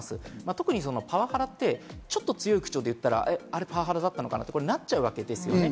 特にパワハラってちょっと強い口調で言ったら、あれパワハラだ！ってなっちゃいますから。